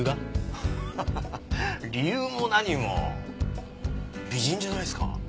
アハハハ理由も何も美人じゃないですか。